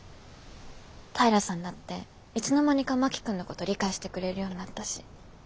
平さんだっていつの間にか真木君のこと理解してくれるようになったし